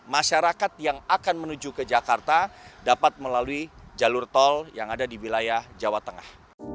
masyarakat yang akan menuju ke jakarta dapat melalui jalur tol yang ada di wilayah jawa tengah